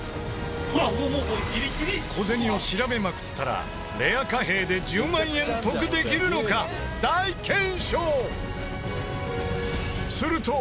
小銭を調べまくったらレア貨幣で１０万円得できるのか大検証！